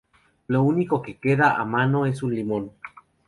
Lo único que queda a mano es un limón.